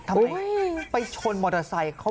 ทำไมไปชนมอเตอร์ไซค์เขา